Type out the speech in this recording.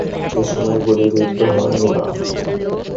এ সময় গুলিবিদ্ধ হন নুরা।